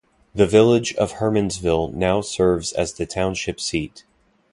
The village of Hermansville now serves as the Township seat.